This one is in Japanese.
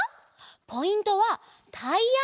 ポイントはタイヤ！